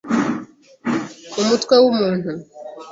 mu mutwe w’umuntu